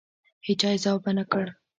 هېچا یې ځواب ونه کړ.